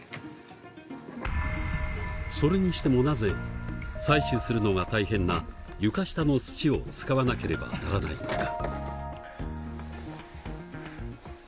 それにしてもなぜ採取するのが大変な床下の土を使わなければならないのか？